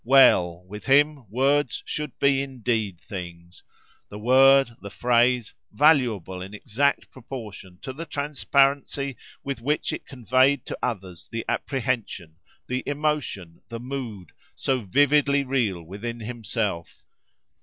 Well! with him, words should be indeed things,—the word, the phrase, valuable in exact proportion to the transparency with which it conveyed to others the apprehension, the emotion, the mood, so vividly real within himself.